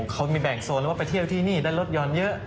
เขามีแบ่งโซนเลยว่าไปเที่ยวที่นี่ได้รถยนต์เยอะ